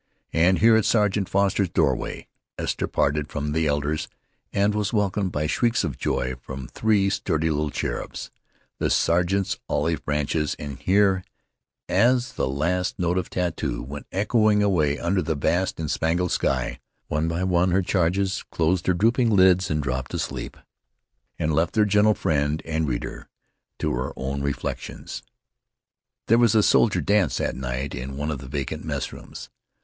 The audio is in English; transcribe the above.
And here at Sergeant Foster's doorway Esther parted from the elders, and was welcomed by shrieks of joy from three sturdy little cherubs the sergeant's olive branches, and here, as the last notes of tattoo went echoing away under the vast and spangled sky, one by one her charges closed their drooping lids and dropped to sleep and left their gentle friend and reader to her own reflections. There was a soldier dance that night in one of the vacant messrooms.